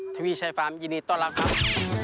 ทีวีชายฟาร์มยินดีต้อนรับครับ